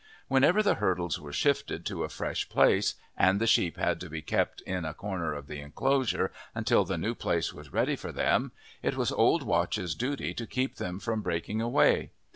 Whenever the hurdles were shifted to a fresh place and the sheep had to be kept in a corner of the enclosure until the new place was ready for them, it was old Watch's duty to keep them from breaking away.